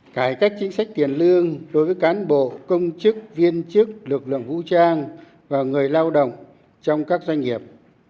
cải cách chính sách tiền lương đối với cán bộ công chức viên chức lực lượng vũ trang và người lao động trong các doanh nghiệp